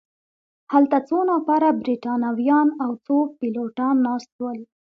هلته څو نفره بریتانویان او څو پیلوټان ناست ول.